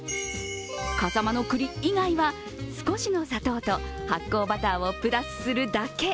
笠間の栗以外は少しの砂糖と発酵バターをプラスするだけ。